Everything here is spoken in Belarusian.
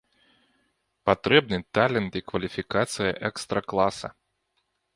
Патрэбны талент і кваліфікацыя экстра-класа.